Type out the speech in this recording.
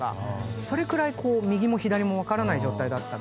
それくらい右も左も分からない状態だったので。